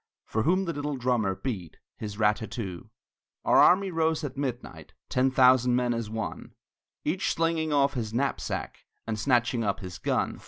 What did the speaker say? For whom the little drummer beat His rat tat too. Our army rose at midnight, Ten thousand men as one, Each slinging off his knapsack And snatching up his gun.